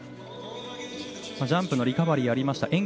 ジャンプのリカバリーがありました。